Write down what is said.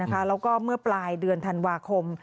แล้วก็เมื่อปลายเดือนธันวาคม